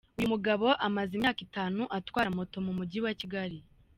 Uyu mugabo amaze imyaka itanu atwara moto mu mujyi wa Kigali.